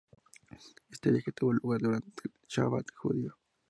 Este viaje tuvo lugar durante el Shabat judío.